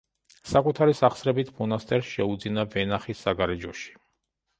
საკუთარი სახსრებით მონასტერს შეუძინა ვენახი საგარეჯოში.